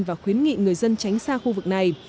và khuyến nghị người dân tránh xa khu vực này